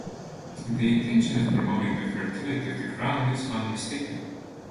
The intention of promoting the fertility of the ground is unmistakable.